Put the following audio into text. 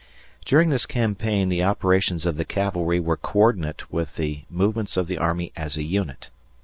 During this campaign, the operations of the cavalry were coördinate with the movements of the army as a unit.